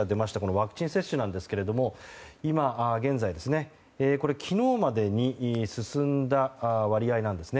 ワクチン接種ですが昨日までに進んだ割合なんですね。